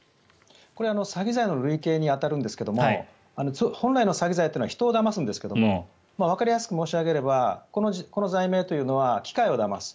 これは詐欺罪の類型に当たるんですけれども本来の詐欺罪というのは人をだますんですがわかりやすく申し上げればこの罪名というのは機械をだます。